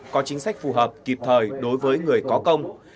có chính sách phù hợp kịp thời đối với người có công